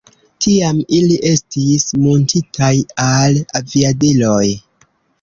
Tiam ili estis muntitaj al aviadiloj.